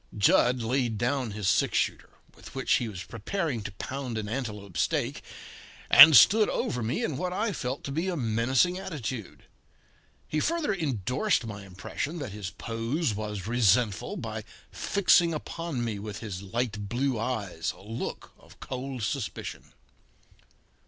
Jud laid down his six shooter, with which he was preparing to pound an antelope steak, and stood over me in what I felt to be a menacing attitude. He further endorsed my impression that his pose was resentful by fixing upon me with his light blue eyes a look of cold suspicion.